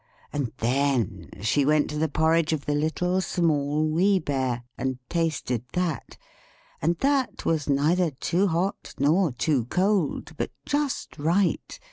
And then she tasted the porridge of the Little, Small, Wee Bear, and that was neither too hot nor too cold, but just right.